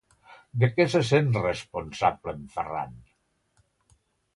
De què se sent responsable en Ferran?